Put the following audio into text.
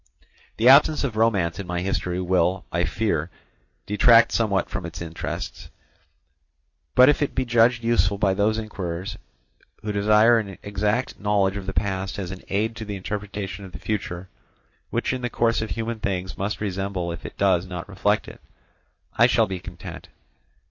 The absence of romance in my history will, I fear, detract somewhat from its interest; but if it be judged useful by those inquirers who desire an exact knowledge of the past as an aid to the interpretation of the future, which in the course of human things must resemble if it does not reflect it, I shall be content.